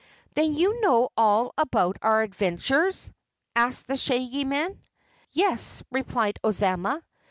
"Then you know all about our adventures?" asked the Shaggy Man. "Yes," replied Ozma.